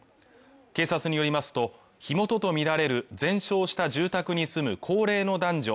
警察によりますと火元とみられる全焼した住宅に住む高齢の男女